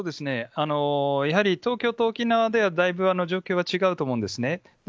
やはり東京と沖縄ではだいぶ状況が違うと思うんですね。